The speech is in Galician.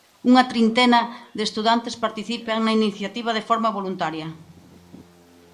Unha trintena de estudantes participan na iniciativa de forma voluntaria.